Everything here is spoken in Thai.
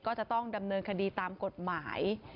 ก็จะต้องดำเนินคดีตามกฎหมาย